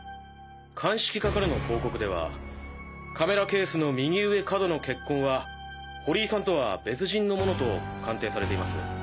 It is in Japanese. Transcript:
鑑識課からの報告ではカメラケースの右上角の血痕は堀井さんとは別人のものと鑑定されています。